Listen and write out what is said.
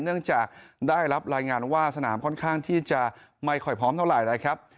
เนื่องจากได้รับรายงานว่าสนามค่อนข้างที่จะไม่ค่อยพร้อมเท่าไหร่นะครับ